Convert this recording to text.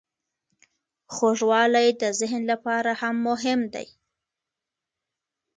خوږوالی د ذهن لپاره هم مهم دی.